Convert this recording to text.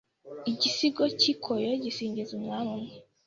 Igisigo k’ikoyo gisingiza umwami umwe